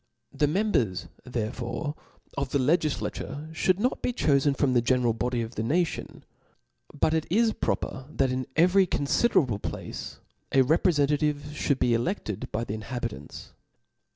The members therefore of the Jegiffaturc (hould not be chofen from the general body of the nation ; but it Js proper that in every confiderable place, a reprc fentativc (hould be elefted by the inhabitants.